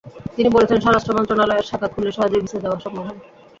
তিনি বলেছেন, স্বরাষ্ট্র মন্ত্রণালয়ের শাখা খুললে সহজেই ভিসা দেওয়া সম্ভব হবে।